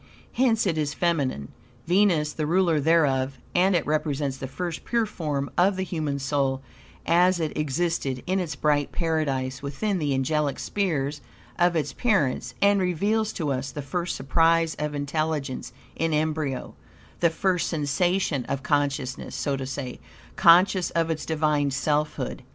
Hence it is feminine, Venus the ruler thereof, and it represents the first pure form of the human soul, as it existed in its bright paradise within the angelic spheres of its parents, and reveals to us the first surprise of intelligence in embryo, the first sensation of consciousness, so to say conscious of its Divine selfhood.